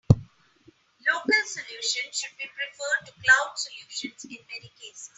Local solutions should be preferred to cloud solutions in many cases.